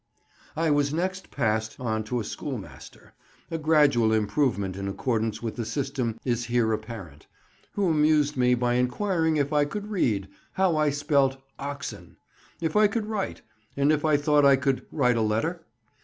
I was next passed on to a schoolmaster—a gradual improvement in accordance with the system is here apparent—who amused me by inquiring if I could read, how I spelt "oxen," if I could write, and if I thought I could "write a letter?"